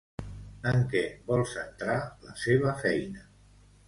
En què vol centrar la seva feina?